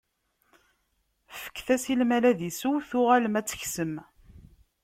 Fket-as i lmal ad isew, tuɣalem ad t-teksem.